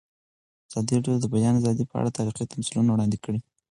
ازادي راډیو د د بیان آزادي په اړه تاریخي تمثیلونه وړاندې کړي.